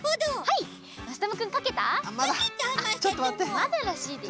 まだらしいです。